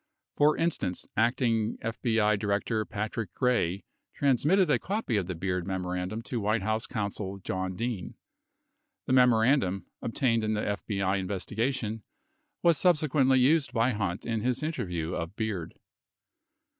For instance, Acting FBI Director Patrick Gray trans mitted a copy of the Beard memorandum to White House counsel John Dean. 66 The memorandum, obtained in the FBI investigation, was subsequently used by Hunt in his interview of Beard.